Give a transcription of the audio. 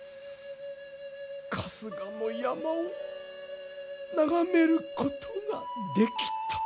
春日の山を眺めることができた。